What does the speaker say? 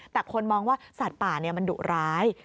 แต่คนมองว่าสัตว์ป่ามันดุร้าย